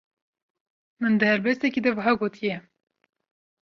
Min di helbestekî de wiha gotiye: